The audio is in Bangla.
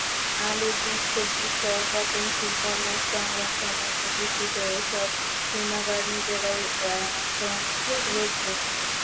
আলু, বীজ, সবজিসহ পচনশীল পণ্য সংরক্ষণে প্রতিষ্ঠিত এসব হিমাগার নিজেরাই এখন রুগ্ণ।